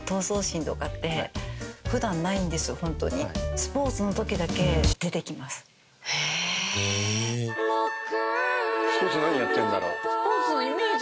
スポーツ何やってんだろう？